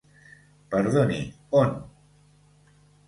Perdoni, on